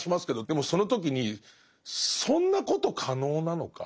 でもその時にそんなこと可能なのか？